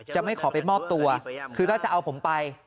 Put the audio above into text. ไม่ขอไปมอบตัวคือถ้าจะเอาผมไป